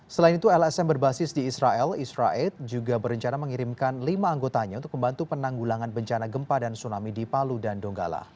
selain itu lsm berbasis di israel israel juga berencana mengirimkan lima anggotanya untuk membantu penanggulangan bencana gempa dan tsunami di palu dan donggala